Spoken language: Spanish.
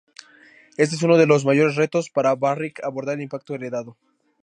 Este es uno de los mayores retos para Barrick: abordar el impacto heredado.